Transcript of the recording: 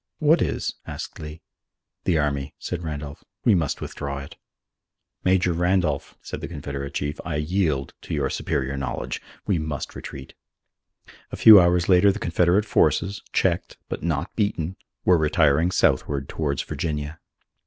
"What is?" asked Lee. "The army," said Randolph. "We must withdraw it." "Major Randolph," said the Confederate chief, "I yield to your superior knowledge. We must retreat." A few hours later the Confederate forces, checked but not beaten, were retiring southward towards Virginia.